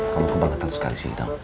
kamu kebangetan sekali sih